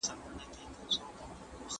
د ټاکنو پايلي څوک اعلانوي؟